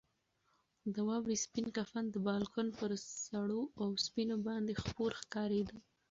د واورې سپین کفن د بالکن پر سړو اوسپنو باندې خپور ښکارېده.